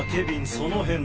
その辺で。